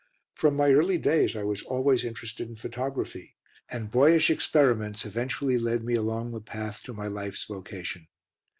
From my early days I was always interested in photography, and boyish experiments eventually led me along the path to my life's vocation.